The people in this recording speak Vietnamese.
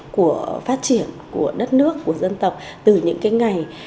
của phát triển của đất nước của dân tộc từ những cái ngày